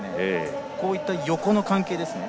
こうした横の関係ですね。